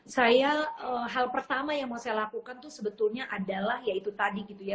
saya hal pertama yang mau saya lakukan tuh sebetulnya adalah ya itu tadi gitu ya